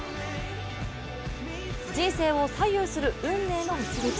人生を左右する運命の一日。